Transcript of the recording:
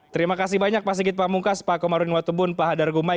terima kasih banyak pak sigit pamungkas pak komarudin watubun pak hadar gumai